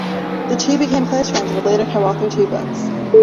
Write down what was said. The two became close friends and would later co-author two books.